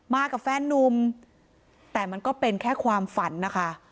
กับแฟนนุ่มแต่มันก็เป็นแค่ความฝันนะคะ